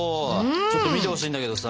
ちょっと見てほしいんだけどさ。